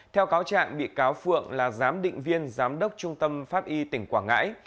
theo cáo trạng bị cáo phượng là giám định viên giám đốc trung tâm pháp y tỉnh quảng ngãi